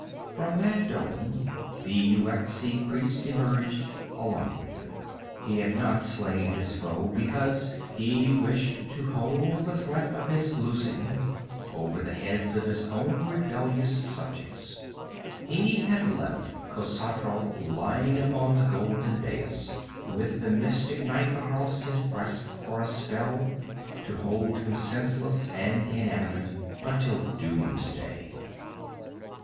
From that dome the Yuetshi priest emerged alone. He had not slain his foe, because he wished to hold the threat of his losing over the heads of his own rebellious subjects. He had left Khosatral lying upon the golden dais with the mystic knife across his breast for a spell to hold him senseless and inanimate until doomsday.